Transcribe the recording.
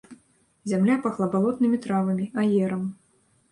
Зямля пахла балотнымі травамі, аерам.